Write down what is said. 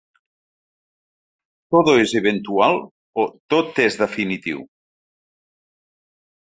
¿"todo es eventual" o "tot és definitiu"?